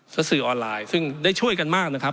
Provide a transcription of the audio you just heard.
และสื่อออนไลน์ซึ่งได้ช่วยกันมากนะครับ